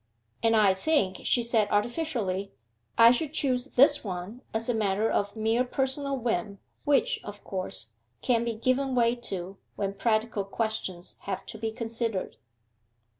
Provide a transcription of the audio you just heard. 'And I think,' she said artificially, 'I should choose this one as a matter of mere personal whim, which, of course, can't be given way to when practical questions have to be considered.